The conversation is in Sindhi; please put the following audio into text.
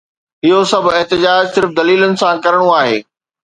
اهو سڀ احتجاج صرف دليلن سان ڪرڻو آهي.